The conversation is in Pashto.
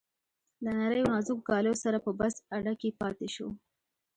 له نریو نازکو کالیو سره په بس اډه کې پاتې شو.